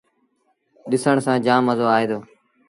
ڏسن سآݩ جآم مزو آئي دو۔